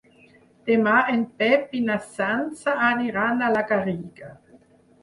Demà en Pep i na Sança aniran a la Garriga.